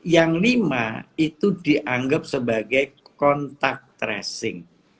yang lima itu dianggap sebagai kontak tracing